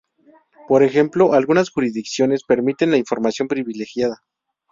Por ejemplo, algunas jurisdicciones permiten la información privilegiada.